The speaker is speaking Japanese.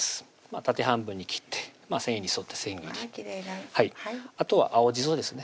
縦半分に切って繊維に沿って千切りあとは青じそですね